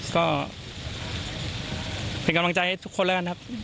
ก็เป็นกำลังใจให้ทุกคนแล้วกันครับ